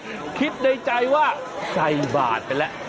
ก็คิดในใจว่าใส่บาทไปแล้ว